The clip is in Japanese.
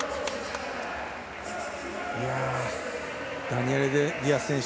ダニエル・ディアス選手